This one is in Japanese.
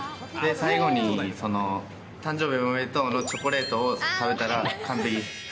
最後に誕生日おめでとうのチョコレートを食べたら完璧。